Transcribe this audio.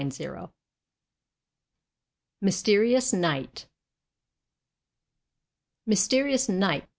Shakespeare MYSTERIOUS NIGHT Mysterious Night!